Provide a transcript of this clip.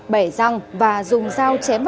bẻ răng và dùng dao chém